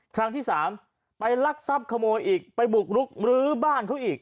ครั้งที่สามไปลักทรัพย์ขโมยอีกไปบุกรุกมรื้อบ้านเขาอีก